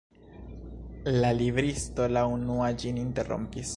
La libristo la unua ĝin interrompis.